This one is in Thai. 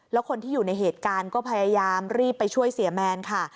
แล้วคนที่อยู่ในเหตุการณ์ก็พยายามรีบไปช่วยเสียแมนค่ะ